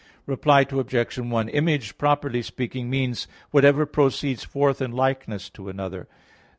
Reply Obj. 1: Image, properly speaking, means whatever proceeds forth in likeness to another.